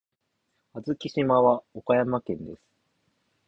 小豆島は岡山県です。